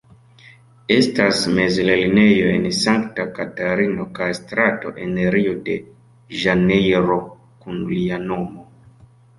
Estas mezlernejo en Sankta Katarino kaj strato en Rio-de-Ĵanejro kun lia nomo.